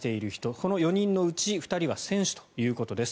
この４人のうち２人は選手ということです。